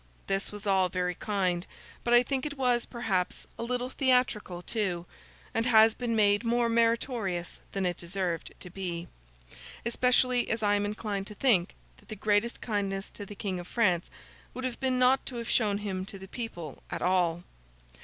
This was all very kind, but I think it was, perhaps, a little theatrical too, and has been made more meritorious than it deserved to be; especially as I am inclined to think that the greatest kindness to the King of France would have been not to have shown him to the people at all.